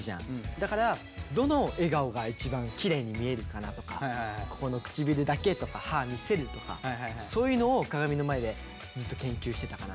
だからどの笑顔が一番きれいに見えるかなとかここの唇だけとか歯見せるとかそういうのを鏡の前でずっと研究してたかな。